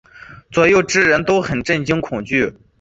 左右之人都很震惊恐惧。